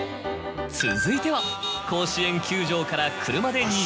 続いては甲子園球場から。